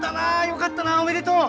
よかったなおめでとう。